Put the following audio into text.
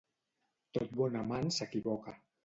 Tot bon amant s'equivoca.